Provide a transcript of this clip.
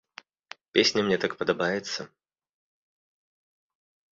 Песня мне так падабаецца!